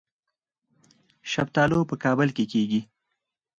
شفتالو په کابل کې کیږي